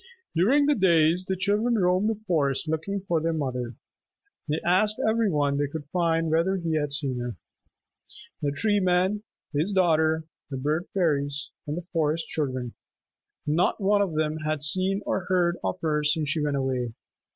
During the days the children roamed the forest looking for their mother. They asked every one they could find whether he had seen her. The Tree Man, his daughter, the Bird Fairies, and the Forest Children, not one of them had seen or heard of her since she went away.